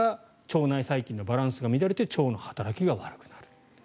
腸内細菌のバランスが乱れて腸の働きが悪くなる。